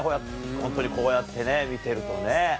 ホントにこうやって見てるとね。